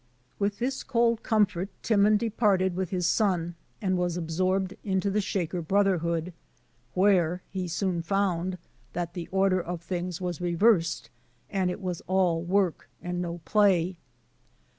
With this cold comfort, Timon departed with his son, and was absorbed into the Shaker brotherhood, where he soon found that the order of things was reversed, and it was all work and no play.